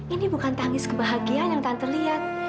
ini bukan tangis kebahagiaan yang tante lihat